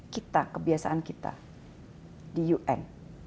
kita kebiasaan kita di un